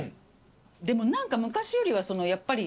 でも何か昔よりはやっぱり。